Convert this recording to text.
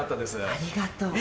ありがとう。